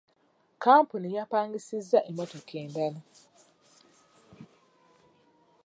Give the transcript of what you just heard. Kampuni yapangisizza emmotoka endala.